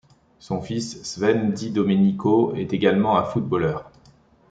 Son fils, Sven Di Domenico, est également un footballeur.